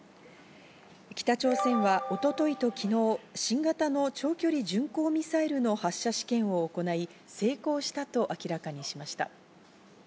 北朝鮮は一昨日と昨日、新型の長距離巡航ミサイルの発射試験を行い、成功したと明らかにしました。